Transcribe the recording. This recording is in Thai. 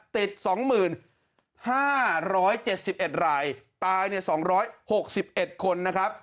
ติด๒๕๗๑รายตาย๒๖๑คนนะครับ